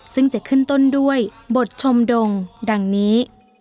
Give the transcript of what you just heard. ซึ่งจะขึ้นต้นด้วยบทชมดงดังนี้